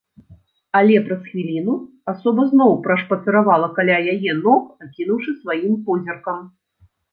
Але праз хвіліну асоба зноў прашпацыравала каля яе ног, акінуўшы сваім позіркам.